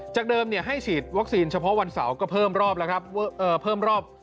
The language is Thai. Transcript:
จากเดิมให้ฉีดวัคซีนเฉพาะวันเสาร์ก็เพิ่มรอบ